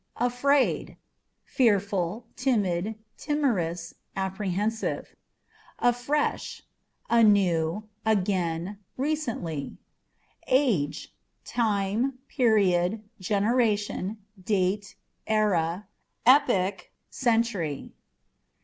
Afraid â€" fearful, timid, timorous, apprehensive. Afresh â€" anew, again, recently* Age â€" time, period, generation, date, era, epoch, century.